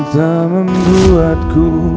masih ingin mendengar suaramu